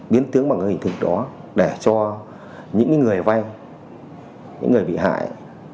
biến tướng bằng hình thức đó để cho những người vay những người bị hại